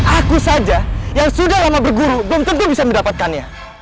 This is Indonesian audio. aku saja yang sudah lama berguru belum tentu bisa mendapatkannya